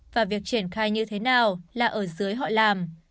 và việc triển khai như thế nào là ở dưới họ làm